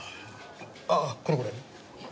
ああこれこれ。